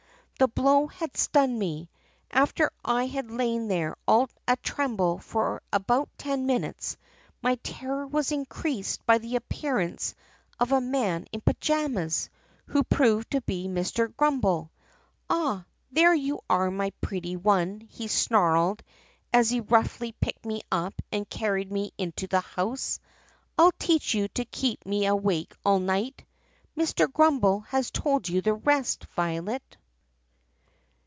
The blow had stunned me. After I had lain there all a tremble for about ten minutes my terror was increased by the appearance of a man in pajamas, who proved to be Mr. Grummbel. 'Ah ! there you are, my pretty one !' he snarled as he roughly picked me up and carried me into the house. 'I 'll teach you to keep me awake all night!' "Mr. Grummbel has told you the rest, Violet."